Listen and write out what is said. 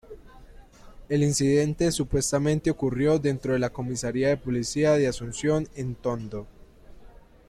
El incidente supuestamente ocurrió dentro de la comisaría de policía de Asunción en Tondo.